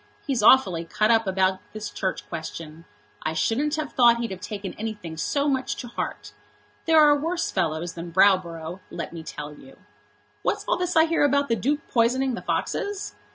He's awfully cut up about this Church Question. I shouldn't have thought he'd have taken anything so much to heart. There are worse fellows than Browborough, let me tell you. What's all this I hear about the Duke poisoning the foxes?"